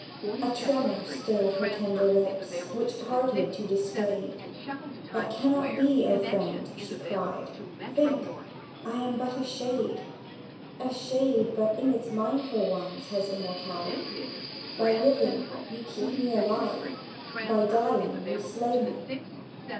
A tremor stirred her tender lips, Which parted to dissuade: "That cannot be, O friend," she cried; "Think, I am but a Shade! "A Shade but in its mindful ones Has immortality; By living, me you keep alive, By dying you slay me.